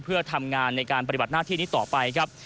เพื่อทำงานในการปฏิบัติหน้าที่นี้ต่อไปครับ